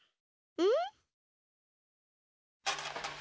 うん？